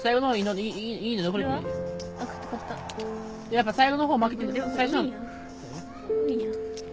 やっぱ最後のほう負けてる。